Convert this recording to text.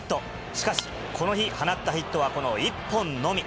しかし、この日放ったヒットは、この１本のみ。